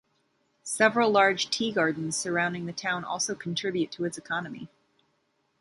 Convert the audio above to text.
Several large tea-gardens surrounding the town also contribute to its economy.